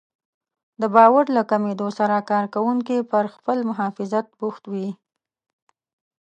د باور له کمېدو سره کار کوونکي پر خپل محافظت بوخت وي.